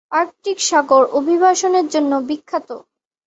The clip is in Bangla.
আর্কটিক সাগর অভিবাসনের জন্য বিখ্যাত।